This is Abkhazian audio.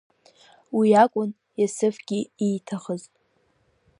Уи акәын Есыфгьы ииҭахыз.